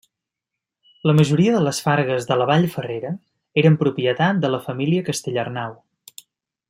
La majoria de les fargues de la Vall Ferrera eren propietat de la família Castellarnau.